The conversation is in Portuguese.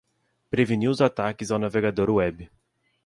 Preveniu os ataques ao navegador web